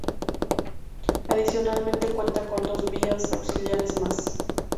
Adicionalmente, cuenta con dos vías auxiliares más.